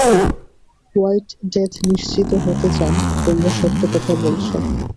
White death নিশ্চিত হতে চান তোমরা সত্য কথা বলছো।